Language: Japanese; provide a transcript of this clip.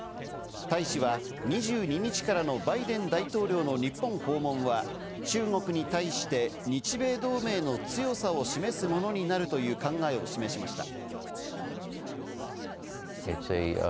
大使は２２日からのバイデン大統領の日本訪問は、中国に対して日米同盟の強さを示すものになるという考えを示しました。